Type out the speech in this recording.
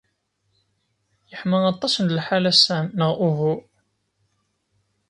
Yeḥma aṭas n lḥal ass-a, neɣ uhu?